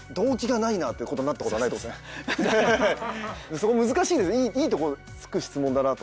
そこ難しいいいとこ突く質問だなと。